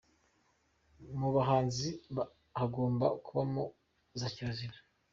mu buhanzi hagomba kubamo za kirazira